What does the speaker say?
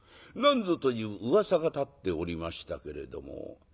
なんぞという噂が立っておりましたけれども。